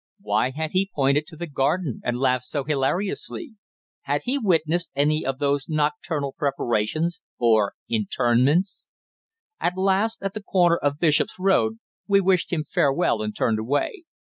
Why had he pointed to the garden and laughed so hilariously? Had he witnessed any of those nocturnal preparations or interments? At last, at the corner of Bishop's Road, we wished him farewell and turned away.